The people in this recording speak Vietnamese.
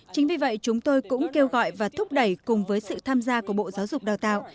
chính vì vậy chúng tôi cũng kêu gọi và thúc đẩy cùng với sự tham gia của bộ giáo dục đào tạo